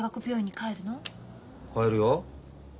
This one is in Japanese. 帰るよ。